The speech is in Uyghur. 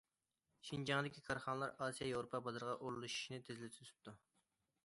شىنجاڭدىكى كارخانىلار ئاسىيا ياۋروپا بازىرىغا ئورۇنلىشىشنى تېزلىتىۋېتىپتۇ.